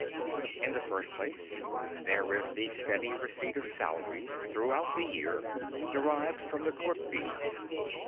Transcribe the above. In the first place, there is the steady receipt of salaries throughout the year (42) derived from the court fees.